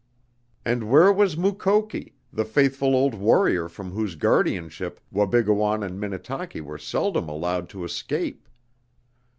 And where was Mukoki, the faithful old warrior from whose guardianship Wabigoon and Minnetaki were seldom allowed to escape?